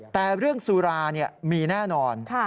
แต่เรื่องสุรามีแน่นอน